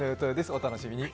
お楽しみに。